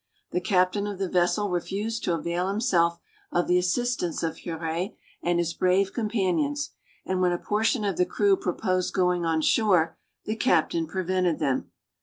The captain of the vessel refused to avail himself of the assistance of Heuret and his brave companions, and when a portion of the crew proposed going on shore the captain prevented them.